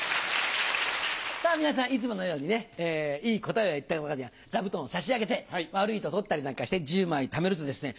さぁ皆さんいつものようにねいい答えを言った方には座布団を差し上げて悪いと取ったりなんかして１０枚ためるとですね